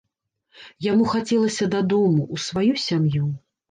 Яму хацелася дадому, у сваю сям'ю.